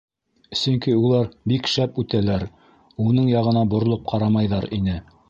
Сөнки улар бик шәп үтәләр, уның яғына боролоп ҡарамайҙар ине.